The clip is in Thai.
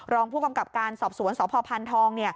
รองผู้กำกับการสอบสวนสพพันธอง